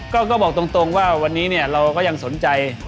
ก็บอกตรงว่าวันนี้เนี่ยเราก็ยังสนใจ